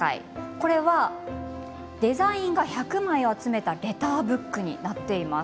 これはデザイン画１００枚を集めたレターブックになっています。